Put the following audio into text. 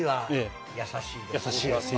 優しい。